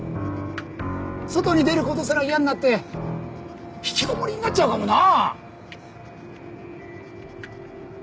外に出る事すら嫌になってひきこもりになっちゃうかもなあ。